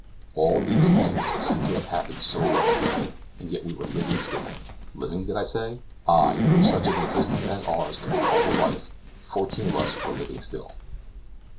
All these things seemed to have happened so long ago, and yet we were living still. Living, did I say? Ay, if such an existence as ours could be called a life, fourteen of us were living still.